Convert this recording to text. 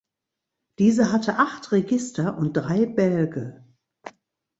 Diese hatte acht Register und drei Bälge.